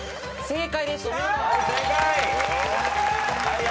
正解です。